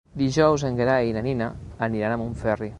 Dijous en Gerai i na Nina aniran a Montferri.